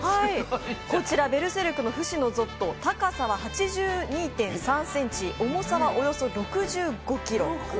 こちら「ベルセルク」の不死のゾッド、高さは８２．３ｃｍ、重さはおよそ６５ｋｇ。